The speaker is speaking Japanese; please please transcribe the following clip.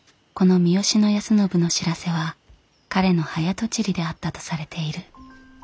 この三善康信の知らせは彼の早とちりであったとされている。